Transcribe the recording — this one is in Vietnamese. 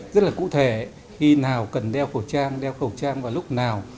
rất là cụ thể khi nào cần đeo khẩu trang đeo khẩu trang vào lúc nào